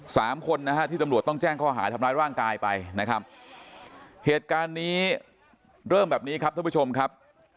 สามคนนะฮะที่ตำรวจต้องแจ้งข้อหาทำร้ายร่างกายไปนะครับเหตุการณ์นี้เริ่มแบบนี้ครับท่านผู้ชมครับ